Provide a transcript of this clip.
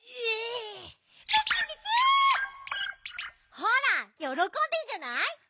ほらよろこんでんじゃない？